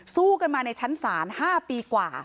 สู้กันมาในชั้นศาล๕ปีกว่า